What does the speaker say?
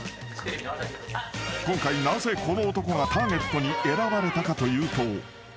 ［今回なぜこの男がターゲットに選ばれたかというと］